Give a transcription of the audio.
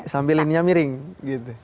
sambil ini miring gitu